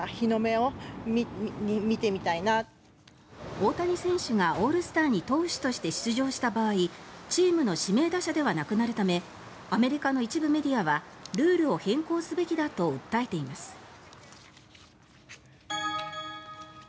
大谷選手がオールスターに投手として出場した場合チームの指名打者ではなくなるためアメリカの一部メディアはルールを変更すべきだと訴えています。